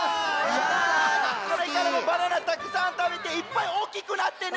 これからもバナナたくさんたべていっぱいおおきくなってね。